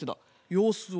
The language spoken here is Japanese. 様子を？